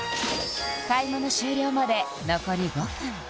買い物終了まで残り５分